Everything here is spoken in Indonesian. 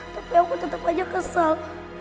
tapi aku tetap aja kesal